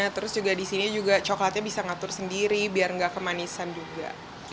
terus juga di sini juga coklatnya bisa ngatur sendiri biar nggak kemanisan juga